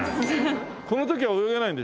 この時は泳げないんでしょう？